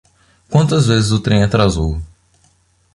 Quantas vezes o trem atrasou?